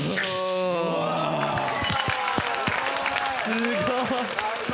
すごい！